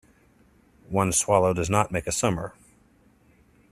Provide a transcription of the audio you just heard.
One swallow does not make a summer.